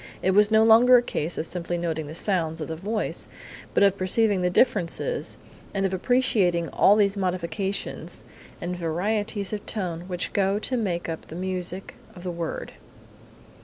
It was no longer a case of simply noting the sounds of the voice, but of perceiving the differences and of appreciating all these modifications and varieties of tone which go to make up the music of the word.